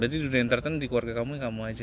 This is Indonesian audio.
berarti dunia entertain di keluarga kamu kamu aja ya